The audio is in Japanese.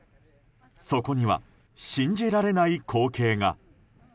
そこには信じられない光景が。